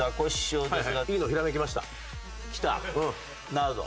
なるほど。